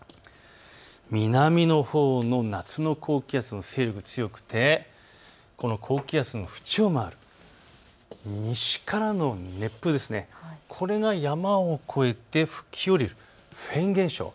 南のほうの夏の高気圧の勢力が強くてこの高気圧の縁を回る西からの熱風、これが山を越えて吹き降りるフェーン現象。